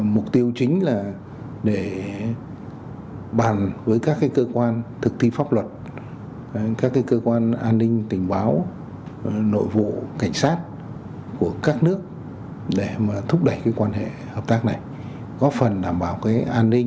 mục tiêu chính là để bàn với các cơ quan thực thi pháp luật các cơ quan an ninh tình báo nội vụ cảnh sát của các nước để thúc đẩy quan hệ hợp tác này góp phần đảm bảo an ninh